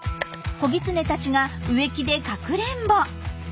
子ギツネたちが植木でかくれんぼ。